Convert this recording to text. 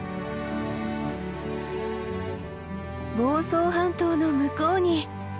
房総半島の向こうに！